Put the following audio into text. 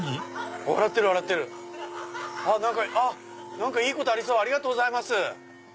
・何かいいことありそう！ありがとうございます！